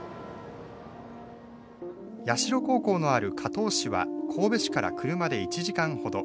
社高校のある加東市は神戸市から車で１時間ほど。